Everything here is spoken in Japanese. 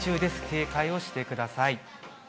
警戒をしてください。